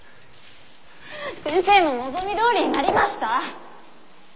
先生の望みどおりになりました。